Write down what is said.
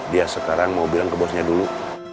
dia sekarang mau bilang ke bosnya dulu